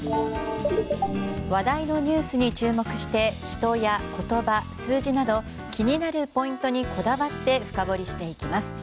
話題のニュースに注目して人や言葉、数字など気になるポイントにこだわって深掘りしていきます。